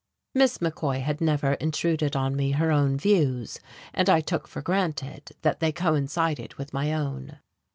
Miss McCoy had never intruded on me her own views, and I took for granted that they coincided with my own.